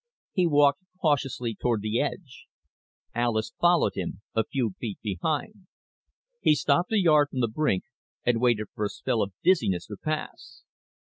He walked cautiously toward the edge. Alis followed him, a few feet behind. He stopped a yard from the brink and waited for a spell of dizziness to pass.